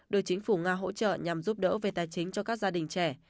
được chính phủ nga hỗ trợ nhằm giúp đỡ về tài chính cho các gia đình trẻ